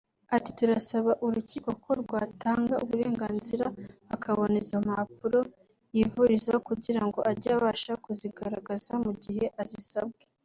Ati " Turasaba urukiko ko rwatanga uburenganzira akabona izo mpapuro yivurizaho kugira ngo ajye abasha kuzigaragaza mu gihe azisabwe"